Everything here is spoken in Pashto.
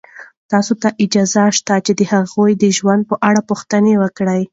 تاسو ته اجازه شته چې د هغوی د ژوند په اړه پوښتنې وکړئ.